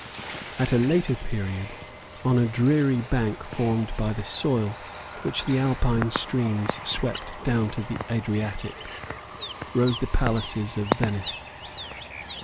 At a later period, on a dreary bank formed by the soil which the Alpine streams swept down to the Adriatic, rose the palaces of Venice.